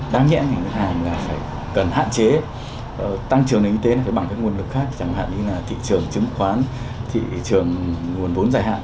đáng nhẽ ngành ngân hàng cần hạn chế tăng trưởng nền kinh tế bằng các nguồn lực khác chẳng hạn như thị trường chứng khoán thị trường nguồn vốn dài hạn